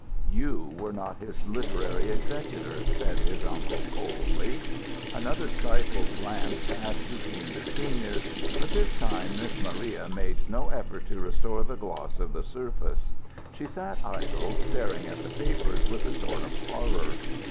"You were not his literary executor," said his uncle, coldly. Another stifled glance passed between the seniors, but this time Miss Maria made no effort to restore the gloss of the surface. She sat idle, staring at the papers with a sort of horror.